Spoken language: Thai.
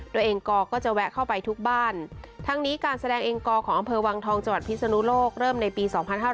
ตัวเองกอก็จะแวะเข้าไปทุกบ้านทั้งนี้การแสดงเองกอของอำเภอวังทองจังหวัดพิศนุโลกเริ่มในปี๒๕๕๙